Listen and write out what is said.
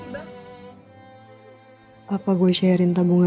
bapak sudah lama cari kamu